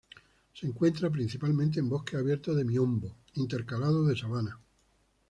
Se encuentra, principalmente, en bosques abiertos de Miombo intercalados de sabanas.